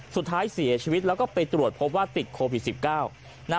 สุดท้ายเสียชีวิตแล้วก็ไปตรวจพบว่าติดโควิด๑๙